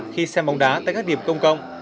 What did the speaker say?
khi xem bóng đá tại các điểm công cộng